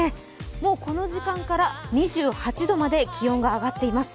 もうこの時間から２８度まで気温が上がっています。